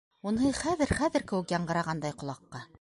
Уныһы «хәҙер-хәҙер» кеүек яңғырағандай ҡолаҡҡа.